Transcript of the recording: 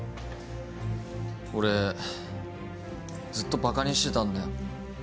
俺ずっとバカにしてたんだよ